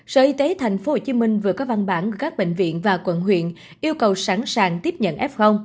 sở y tế tp hcm vừa có văn bản gửi các bệnh viện và quận huyện yêu cầu sẵn sàng tiếp nhận f